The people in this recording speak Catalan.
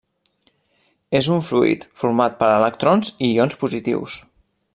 És un fluid, format per electrons i ions positius.